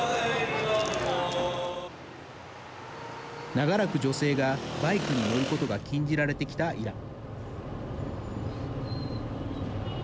長らく女性がバイクに乗ることが禁じられてきたイラン。